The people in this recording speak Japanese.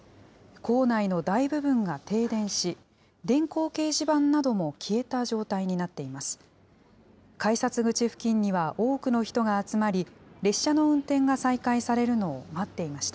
構内の大部分が停電し、電光掲示板なども消えた状態になっています。